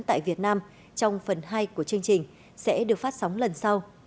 tại việt nam trong phần hai của chương trình sẽ được phát sóng lần sau